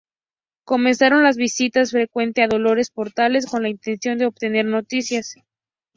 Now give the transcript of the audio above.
Comenzaron las visitas frecuentes a Dolores Portales con la intención de obtener noticias.